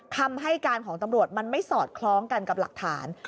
คำให้การของตำรวจมันไม่สอดคล้องกันกับหลักฐาน